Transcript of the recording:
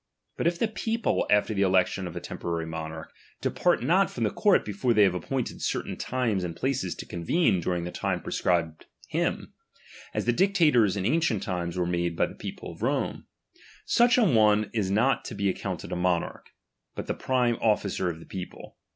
But if \he people after the election of a temporary monarch, depart not from the court before they have appointed certain times and places to convene during the time prescribed him ; as the dictators in ancient times were made by the people of Rome ; such an one is not to be accounted a monarch, but the prime officer of the people.